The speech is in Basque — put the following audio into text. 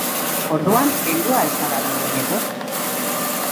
Orduan, heldua al zara dagoeneko?